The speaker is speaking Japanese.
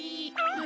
え？